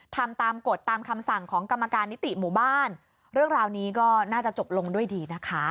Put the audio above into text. ทำตามกฎตามคำสั่งของกรรมการนิติหมู่บ้านเรื่องราวนี้ก็น่าจะจบลงด้วยดีนะคะ